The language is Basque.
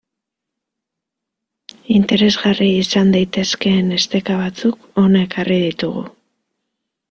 Interesgarri izan daitezkeen esteka batzuk hona ekarri ditugu.